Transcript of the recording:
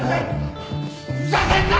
ふざけんな！